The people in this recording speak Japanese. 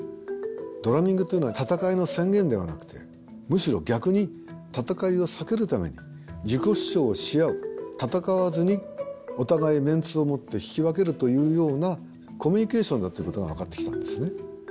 ドラミングというのは戦いの宣言ではなくてむしろ逆に戦いを避けるために自己主張し合う戦わずにお互いメンツをもって引き分けるというようなコミュニケーションだっていうことが分かってきたんですね。